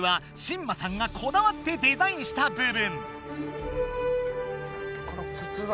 しんまさんがこだわってデザインした部分。